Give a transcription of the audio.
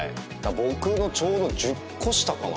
僕のちょうど１０個下かな？